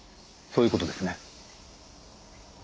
そういう事ですね？